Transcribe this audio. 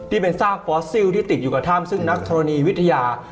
นี่เป็นซากฟอสซิลที่ติดอยู่กับถ้ำซึ่งนักธรณีวิทยา